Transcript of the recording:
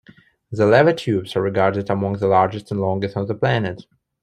The lava tubes are regarded amongst the largest and longest on the planet.